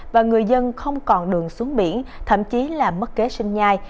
và người dân không còn đường xuống biển thậm chí là mất kế sinh nhai